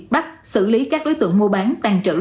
bắt xử lý các đối tượng mua bán tàn trữ